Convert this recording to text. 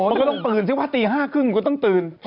โอ้โฮต้องตื่นซิว่าตี๕๓๐กูต้องตื่น